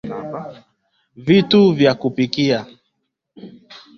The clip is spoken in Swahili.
Vitu vya kupikia